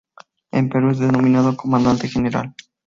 En Perú es denominado Comandante General.